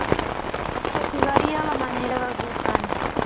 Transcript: Fatigaria a la manera dels infants.